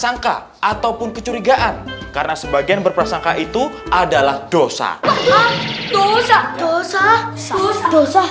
sangka ataupun kecurigaan karena sebagian berprasangka itu adalah dosa dosa dosa saus dosa